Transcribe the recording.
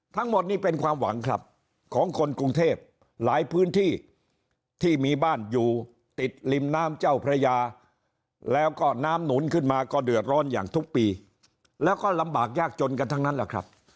ทั้งหมดนี้เป็นความหวังครับของคนกรุงเทพหลายพื้นที่ที่มีบ้านอยู่ติดริมน้ำเจ้าพระยาแล้วก็น้ำหนุนขึ้นมาก็เดือดร้อนอย่างทุกปีแล้วก็ลำบากยากจนกันทั้งนั้นแหละครับ